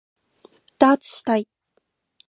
ダーツしたい